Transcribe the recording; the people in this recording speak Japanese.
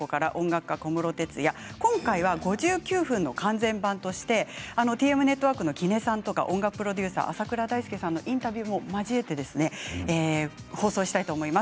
今回は５９分の完全版としてＴＭＮＥＴＷＯＲＫの木根さんや音楽プロデューサーの浅倉さんのインタビューも交えて放送したいと思います。